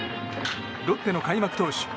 ロッテの開幕投手